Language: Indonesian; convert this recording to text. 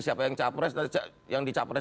siapa yang capres siapa yang tidak